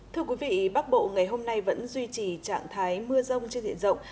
thưa quý vị bắc bộ ngày hôm nay vẫn duy trì trạng thái mưa rông trên diện rộng